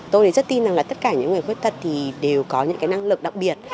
tôi thì rất tin rằng là tất cả những người khuyết tật thì đều có những cái năng lực đặc biệt